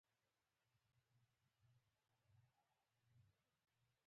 زه دوه مڼې خورم.